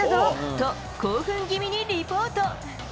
と、興奮気味にリポート。